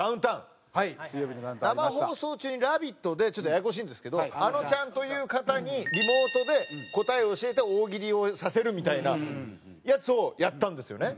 生放送中に『ラヴィット！』でちょっとややこしいんですけどあのちゃんという方にリモートで答えを教えて大喜利をさせるみたいなやつをやったんですよね。